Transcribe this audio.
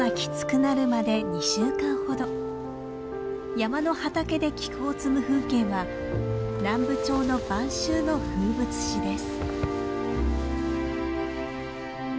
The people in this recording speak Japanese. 山の畑で菊を摘む風景は南部町の晩秋の風物詩です。